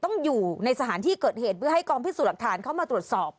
ต้องอยู่ในสถานที่เกิดเหตุเพื่อให้กองพิสูจน์หลักฐานเข้ามาตรวจสอบ